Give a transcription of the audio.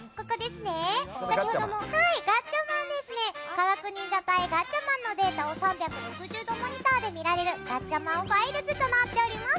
「科学忍者隊ガッチャマン」のデータを３６０度モニターで見られるガッチャマンファイルズとなっております。